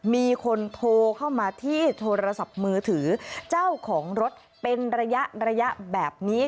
มีคนโทรเข้ามาที่โทรศัพท์มือถือเจ้าของรถเป็นระยะระยะแบบนี้